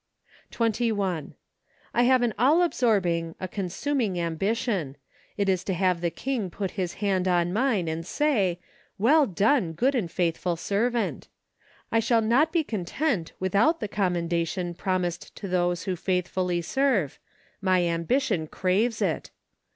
" 34 MARCH. 21. I have an all absorbing, a consuming ambition; it is to have the King put His hand on mine, and say, " Well done, good and faithful servant." I shall not be con¬ tent without the commendation promised to those who faithfully serve; my ambition craves it.